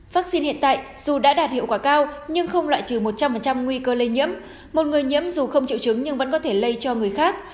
vaccine hiện tại dù đã đạt hiệu quả cao nhưng không loại trừ một trăm linh nguy cơ lây nhiễm một người nhiễm dù không triệu chứng nhưng vẫn có thể lây cho người khác